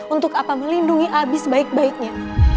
untuk apa melindungi abi sebaik baiknya